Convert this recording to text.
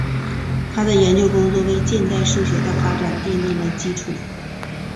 他的研究工作为近代数学的发展奠定了基础。